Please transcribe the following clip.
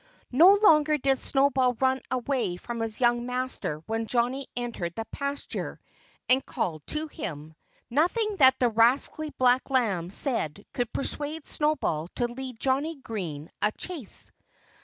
No longer did Snowball run away from his young master when Johnnie entered the pasture and called to him. Nothing that the rascally black lamb said could persuade Snowball to lead Johnnie Green a chase.